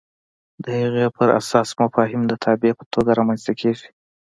د هغې پر اساس مفاهیم د تابع په توګه رامنځته کېږي.